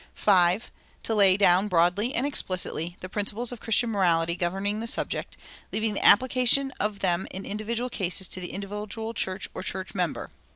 (5) To lay down, broadly and explicitly, the principles of Christian morality governing the subject, leaving the application of them in individual cases to the individual church or church member.